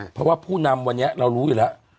เพราะว่าผู้นำวันนี้เรารู้อยู่แล้ว